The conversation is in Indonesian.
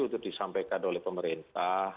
untuk disampaikan oleh pemerintah